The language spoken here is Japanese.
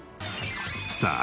さあ